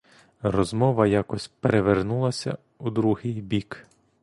Розмова якось перевернулася у другий бік.